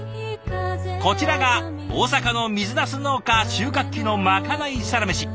こちらが大阪の水なす農家収穫期のまかないサラメシ！